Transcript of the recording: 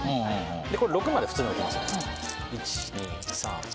これ、６まで普通に置きます。